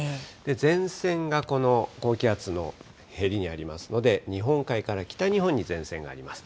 前線がこの高気圧のへりにありますので、日本海から北日本に前線があります。